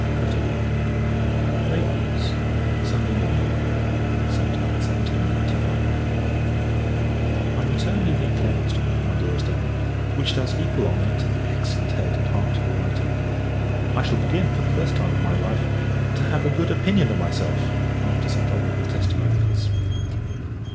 Letters OF THE EARL OF BRISTOL, Bishop of Derry, &c. I. Naples, Sunday Morning, [1795.] I return you the inclosed, my Dearest Emma, which does equal honour to the excellent head and heart of the writer. I shall begin, for the first time of my life, to have a good opinion of myself, after such honourable testimonials.